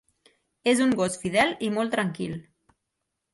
És un gos fidel i molt tranquil.